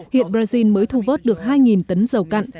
hiện brazil mới thu vớt được hai tấn dầu cặn